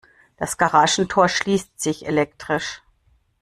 Das Garagentor schließt sich elektrisch.